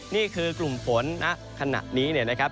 นี่คือกลุ่มฝนณขณะนี้เนี่ยนะครับ